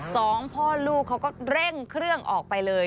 สองพ่อลูกเขาก็เร่งเครื่องออกไปเลย